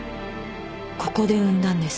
ここで産んだんです。